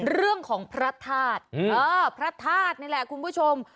เรื่องของพระธาตุพระธาตุนี่แหละคุณผู้ชม